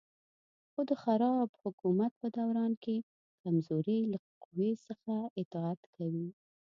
خو د خراب حکومت په دوران کې کمزوري له قوي څخه اطاعت کوي.